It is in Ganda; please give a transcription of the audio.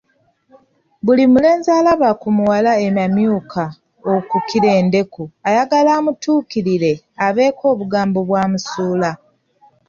Buli mulenzi alaba ku muwala eyamyuka okukira endeku ayagala amutuukirire abeeko obugambo bwamusuula.